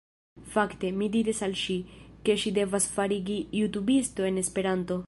Fakte, mi diris al ŝi, ke ŝi devas fariĝi jutubisto en Esperanto